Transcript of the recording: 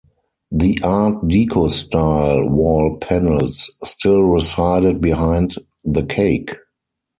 The art deco style wall panels still resided behind the cake.